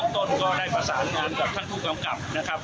ต้นก็ได้ประสานงานกับท่านผู้กำกับนะครับ